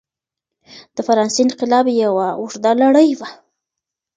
د فرانسې انقلاب یوه اوږده لړۍ وه.